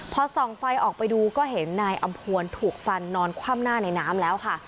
พอส่องไฟออกไปดูก็เห็นนายอำพวนถูกฟันนอนคว่ำหน้าในน้ำแล้วค่ะ